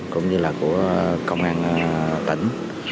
cũng như là của công an tỉnh